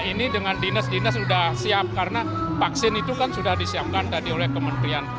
kota ini dengan dinas dinas sudah siap karena vaksin itu sudah disiapkan oleh kementerian